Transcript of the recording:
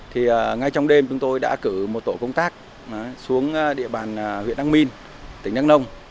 thì ngay trong đêm chúng tôi đã cử một tổ công tác xuống địa bàn huyện đăng minh tỉnh đăng nông